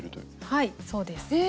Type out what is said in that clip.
はいそうです。え